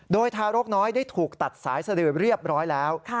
โดยทารกน้อยได้ถูกตัดสายสดือเรียบร้อยแล้ว